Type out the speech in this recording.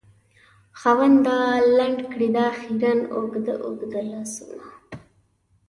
خاونده! لنډ کړې دا خیرن اوږده اوږده لاسونه